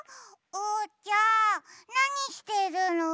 おうちゃんなにしてるの？